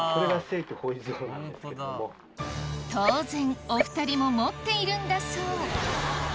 当然お２人も持っているんだそう